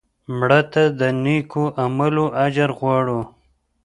مړه ته د نیکو عملونو اجر غواړو